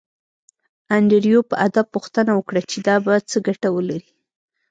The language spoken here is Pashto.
انډریو په ادب پوښتنه وکړه چې دا به څه ګټه ولري